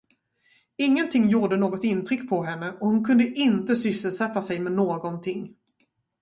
Ingenting gjorde något intryck på henne och hon kunde inte sysselsätta sig med någonting.